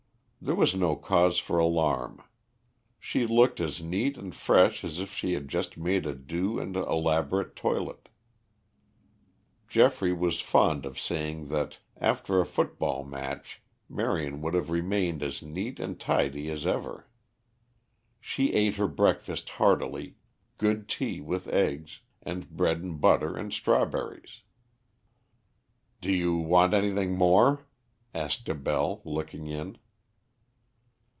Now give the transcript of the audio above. There was no cause for alarm. She looked as neat and fresh as if she had just made a due and elaborate toilette. Geoffrey was fond of saying that after a football match Marion would have remained as neat and tidy as ever. She ate her breakfast heartily good tea, with eggs, and bread and butter and strawberries. "Do you want anything more?" asked Abell, looking in.